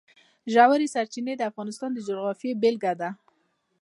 ژورې سرچینې د افغانستان د جغرافیې بېلګه ده.